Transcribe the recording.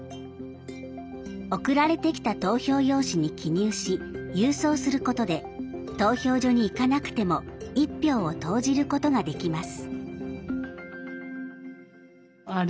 送られてきた投票用紙に記入し郵送することで投票所に行かなくても一票を投じることができます。